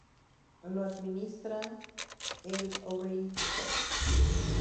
Lo administra el Oberlin College.